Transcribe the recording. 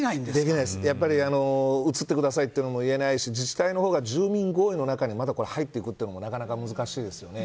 やっぱり移ってくださいとも言えないし自治体が住民合意の中に入っていくのもなかなか難しいですよね。